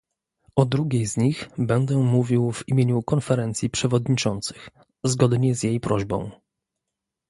O drugiej z nich będę mówił w imieniu Konferencji Przewodniczących, zgodnie z jej prośbą